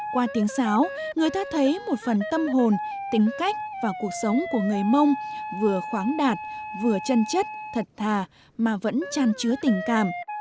qua tiếng sáo người ta thấy một phần tâm hồn tính cách và cuộc sống của người mông vừa khoáng đạt vừa chân chất thật thà mà vẫn tràn chứa tình cảm